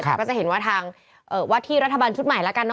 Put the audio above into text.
ก็จะเห็นว่าทางวัดที่รัฐบาลชุดใหม่แล้วกันเน